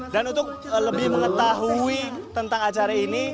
dan untuk lebih mengetahui tentang acara ini